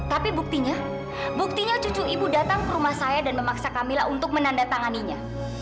tapi buktinya buktinya cucu ibu datang ke rumah saya dan memaksa kamila untuk menandatanganinya